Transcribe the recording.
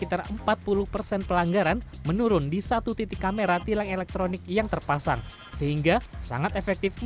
ini adalah alat yang diperlukan untuk mengembangkan jaringan fiber optik